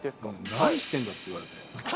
何してんだって言われて。